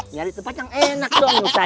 nyari tempat yang enak dong